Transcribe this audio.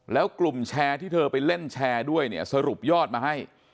แล้วกลุ่มแชร์ที่เธอไปเล่นแชร์ด้วยเนี่ยสรุปยอดมาให้